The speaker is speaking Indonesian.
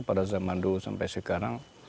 pada zaman dulu sampai sekarang